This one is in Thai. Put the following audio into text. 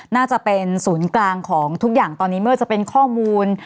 น่าจะเป็นศูนย์กลางของทุกอย่างตอนนี้เมื่อจะเป็นข้อมูล